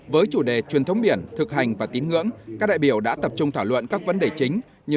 với chủ đề truyền thống biển thực hành và tín ngưỡng các đại biểu đã tập trung thảo luận các vấn đề chính như